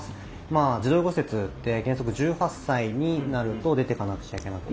児童養護施設って原則１８歳になると出ていかなくちゃいけなく。